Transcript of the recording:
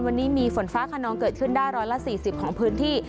วันนี้มีฝนฟ้าขนองเกิดขึ้นได้๑๔๐ของพื้นที่